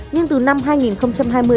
nhưng từ năm hai nghìn một mươi tám